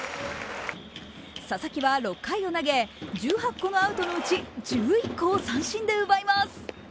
佐々木は６回を投げ、１８個のアウトのうち１１個を三振で奪います。